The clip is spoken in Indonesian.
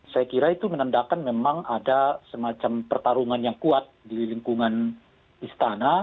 saya kira itu menandakan memang ada semacam pertarungan yang kuat di lingkungan istana